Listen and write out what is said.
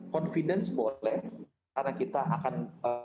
confidence boleh karena kita akan